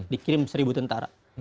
dikirim seribu tentara